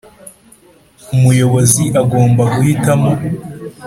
umuyobozi agomba guhitamo